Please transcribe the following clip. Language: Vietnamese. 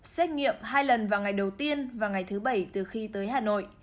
xét nghiệm hai lần vào ngày đầu tiên và ngày thứ bảy từ khi tới hà nội